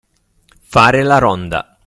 Fare la ronda.